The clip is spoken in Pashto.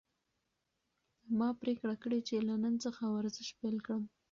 ما پریکړه کړې چې له نن څخه ورزش پیل کړم.